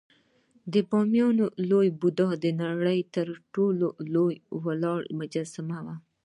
د بامیانو لوی بودا د نړۍ تر ټولو لوی ولاړ مجسمه وه